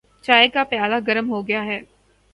چائے کا پیالہ گرم ہوگیا ہے۔